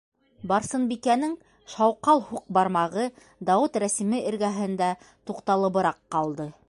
Барсынбикәнең шауҡал һуҡ бармағы Дауыт рәсеме эргәһендә туҡталыбыраҡ ҡалды.